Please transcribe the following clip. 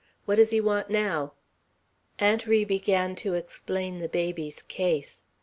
What does he want now?" Aunt Ri began to explain the baby's case.